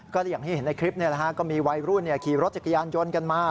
ก็อย่างที่เห็นในคลิปก็มีวัยรุ่นขี่รถจักรยานยนต์กันมา